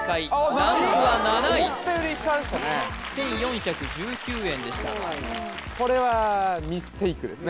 ランクは７位１４１９円でしたこれはミステイクですね